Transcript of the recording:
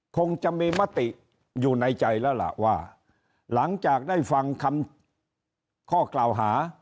คงจะมีมติอยู่ในใจแล้วล่ะว่าหลังจากได้ฟังคำข้อกล่าวหา